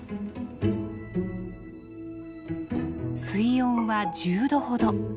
水温は１０度ほど。